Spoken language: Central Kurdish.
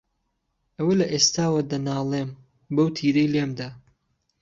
ئەوە لە ئێستاوە دەنالێم، بەو تیرەی لێم دا